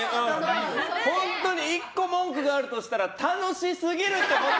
本当に１個、文句があるとしたら楽しすぎるってこと！